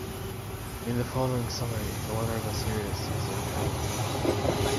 In the following summary the winner of a series is in bold.